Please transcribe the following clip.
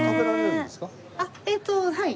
えっとはい。